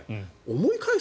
思い返す？